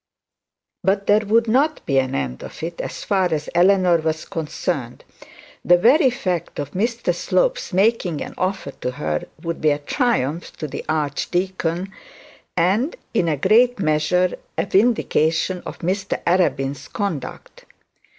But there was not an end of it as far as Eleanor was concerned. The very fact of Mr Slope's making an offer to her would be a triumph for the archdeacon, and in a great measure a vindication of Mr Arabin's conduct.